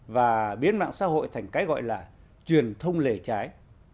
và biến mạng xã hội thành cái gọi là truyền thông lề trái